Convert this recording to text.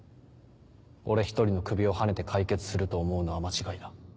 俺１人の首をはねて解決すると思うのは間違いだ。